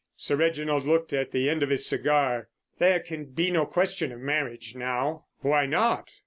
Sir Reginald looked at the end of his cigar. "There can be no question of marriage now." "Why not?"